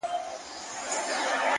پوهه د ذهن قفلونه پرانیزي.!